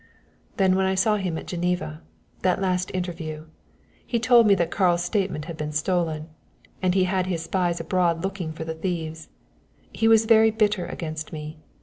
"Then when I saw him at Geneva that last interview he told me that Karl's statement had been stolen, and he had his spies abroad looking for the thieves. He was very bitter against me.